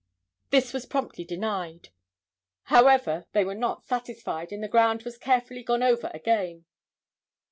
This was promptly denied. However, they were not satisfied, and the ground was carefully gone over again.